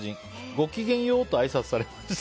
ごきげんようとあいさつをされました。